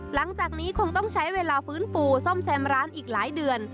หลังจากนี้คงต้องใช้เวลาฟื้นฟูซ่อมแซมร้านอีกหลายเดือน